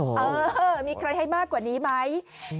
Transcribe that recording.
เออมีใครให้มากกว่านี้ไหม